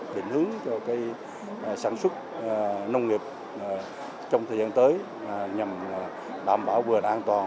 định hướng cho sản xuất nông nghiệp trong thời gian tới nhằm đảm bảo vừa an toàn